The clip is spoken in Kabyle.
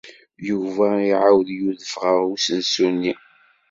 Yuba iɛawed yudef ɣer usensu-nni.